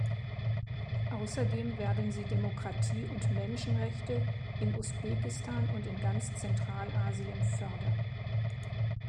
Außerdem werden sie Demokratie und Menschenrechte in Usbekistan und in ganz Zentralasien fördern.